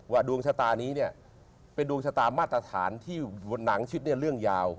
ว่าดวงชะตานี้เป็นดวงชะตามาตรฐานที่หนังชิดเรื่องยาว